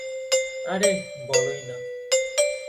আরে, বলোই না।